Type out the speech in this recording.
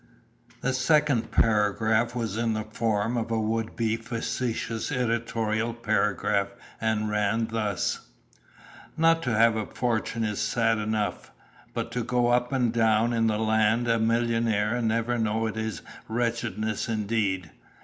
The second paragraph was in the form of a would be facetious editorial paragraph, and ran thus: "Not to have a fortune is sad enough, but to go up and down in the land a millionaire and never know it is wretchedness indeed.